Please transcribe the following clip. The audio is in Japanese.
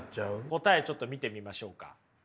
答えちょっと見てみましょうか。